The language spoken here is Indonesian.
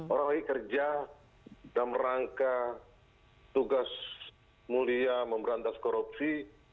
orang lagi kerja dan merangka tugas mulia memberantas korupsi